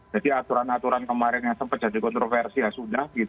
jadi aturan aturan kemarin yang sempat jadi kontroversi ya sudah